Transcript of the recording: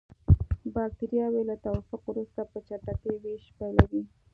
بکټریاوې له توافق وروسته په چټکۍ ویش پیلوي.